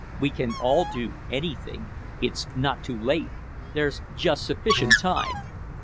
We can all do anything. It's not too late; there's just sufficient time.